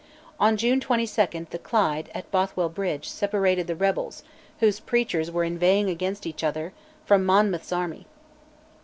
On June 22 the Clyde, at Bothwell Bridge, separated the rebels whose preachers were inveighing against each other from Monmouth's army.